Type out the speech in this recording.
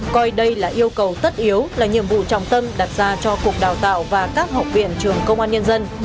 coi đây là yêu cầu tất yếu là nhiệm vụ trọng tâm đặt ra cho cục đào tạo và các học viện trường công an nhân dân